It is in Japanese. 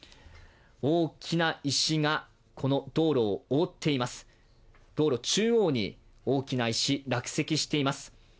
大きな石がこの道路を覆っています、道路中央に大きな石落石しています